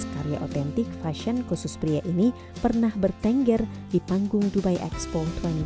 karya otentik fashion khusus pria ini pernah bertengger di panggung dubai expo dua ribu dua puluh